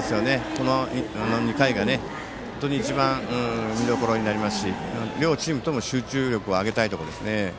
この２回が、本当に一番見どころになりますし両チームとも集中力を上げたいところですね。